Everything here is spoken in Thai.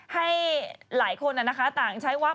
ให้หลายคนต่างใช้วับ